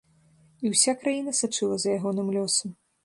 І ўся краіна сачыла за ягоным лёсам.